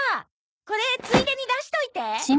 これついでに出しといて。